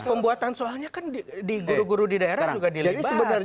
pembuatan soalnya kan guru guru di daerah juga di liban